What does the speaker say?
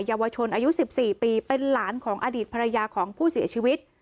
เยาวชนอายุ๑๔ปีเป็นหลานของอดีตภรรยาของผู้เสียชีวิต